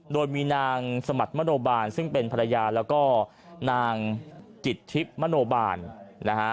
โดยมีนางสมัติมโนบาลซึ่งเป็นภรรยาแล้วก็นางจิตทิพย์มโนบาลนะฮะ